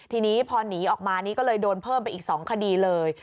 ทีนี้พอหนีออกมานี่ก็เลยโดนเพิ่มไปอีก๒คดีเลย